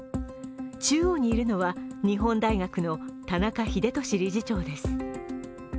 中央にいるのは日本大学の田中英寿理事長です。